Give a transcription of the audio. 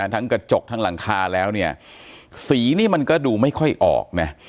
ทั้งกระจกทั้งหลังคาแล้วเนี่ยสีนี่มันก็ดูไม่ค่อยออกนะ